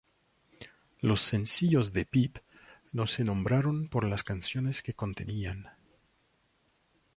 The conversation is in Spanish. Los sencillos de "Peep" no se nombraron por las canciones que contenían.